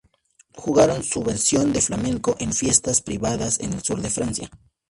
Jugaron su versión de flamenco en fiestas privadas en el sur de Francia.